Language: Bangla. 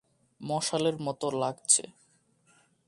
মশালের মত লাগছে।